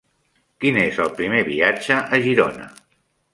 Quin és el primer viatge a Girona?